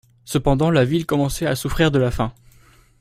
Cependant la ville commençait à souffrir de la faim.